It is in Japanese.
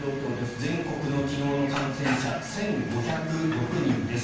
全国の昨日の感染者１５０６人です。